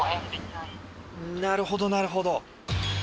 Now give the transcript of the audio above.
なるほどなるほど。